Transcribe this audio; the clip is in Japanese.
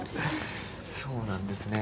そうなんですね。